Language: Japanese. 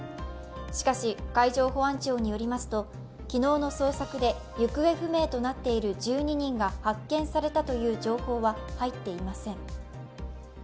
しかし、海上保安庁によりますと昨日の捜索で行方不明となっている１２人が発見されたという情報は入っていません。